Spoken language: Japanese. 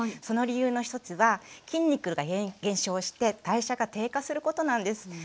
その理由の一つは筋肉が減少して代謝が低下することなんです。